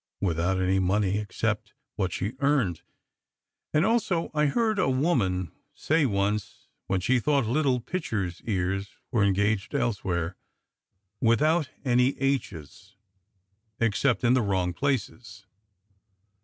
without any money except what she earned, and also I heard a woman say once, when she thought Little Pitcher s ears were engaged elsewhere without any "h s" except in the wrong places.